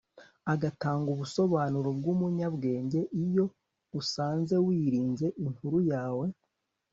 atanga ubu busobanuro bwumunyabwenge iyo usanze wirinze inkuru yawe